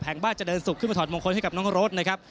บ้านเจริญสุขขึ้นมาถอดมงคลให้กับน้องรถนะครับ